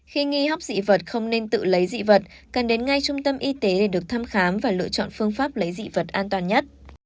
khi nghi hóc dị vật không nên tự lấy dị vật cần đến ngay trung tâm y tế để được thăm khám và lựa chọn phương pháp lấy dị vật an toàn nhất